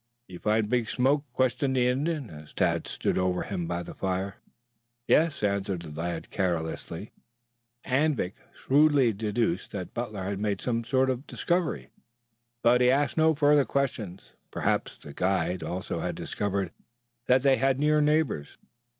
"You find big smoke?" questioned the Indian as Tad stood over him by the fire. "Yes," answered the lad carelessly. Anvik shrewdly deduced that Butler had made some sort of discovery, but he asked no further questions. Perhaps the guide also had discovered that they had near neighbors.